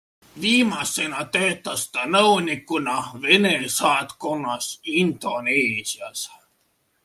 Viimasena töötas ta nõunikuna Vene saatkonnas Indoneesias.